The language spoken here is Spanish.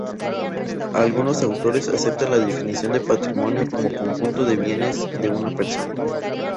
Algunos autores aceptan la definición de patrimonio como "conjunto de bienes de una persona".